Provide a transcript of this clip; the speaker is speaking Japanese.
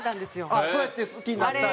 ああそうやって「好きになった」